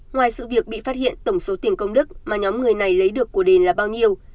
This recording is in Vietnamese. ngoài sự việc bị phát hiện tổng số tiền công đức mà nhóm người này lấy được của đền là bao nhiêu